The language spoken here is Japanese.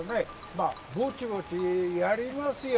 まあぼちぼちやりますよ。